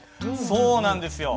そうなんですよ。